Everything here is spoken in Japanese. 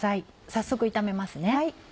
早速炒めますね。